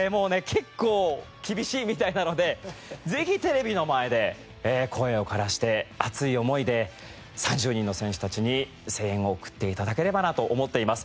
結構厳しいみたいなのでぜひテレビの前で声をからして熱い思いで３０人の選手たちに声援を送って頂ければなと思っています。